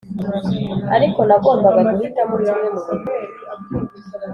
ariko nagombaga guhitamo kimwe mu bintu bibiri: